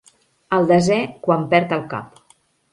El desè quan perd el cap.